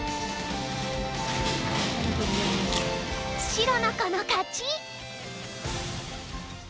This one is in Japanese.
白の子の勝ち！